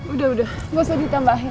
udah udah gak usah ditambahin